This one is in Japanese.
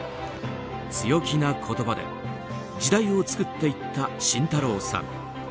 強気な言葉で時代を作っていった慎太郎さん。